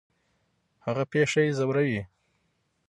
هغه پېښه یې ځوراوه.